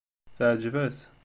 Teɛjeb-as.